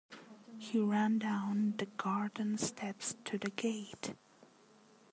He ran down the garden steps to the gate.